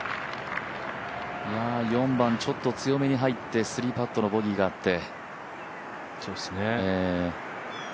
いや、４番、ちょっと強めに入って３パットのボギーがあって。